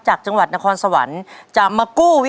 จากจังหวัดนครสวรรค์จะมากู้วิ